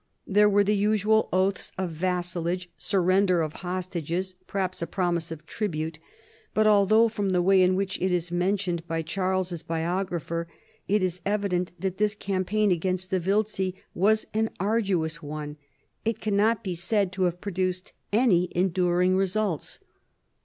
There were the usual oaths of vassalage, surrender of hostages, perhaps a promise of tribute : but although, from the way in which it is mentioned by Charles's biographer it is evident that this cam paign against the Wiltzi was an arduous one, it can not be said to have produced any enduring results.